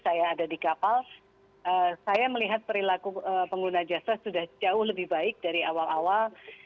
saya ada di kapal saya melihat perilaku pengguna jasa sudah jauh lebih baik dari awal awal